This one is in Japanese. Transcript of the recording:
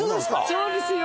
そうですよ。